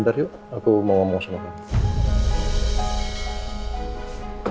kami aku sampe ngak tanya lo besok ya